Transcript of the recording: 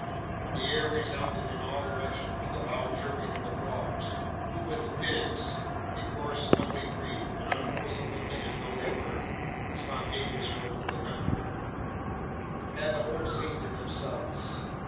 The air resounded in all directions with the loud chirping of the frogs, who, with the pigs (a coarse, ugly breed, as unwholesome looking as though they were the spontaneous growth of the country), had the whole scene to themselves.